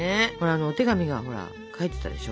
お手紙がほら書いてたでしょ。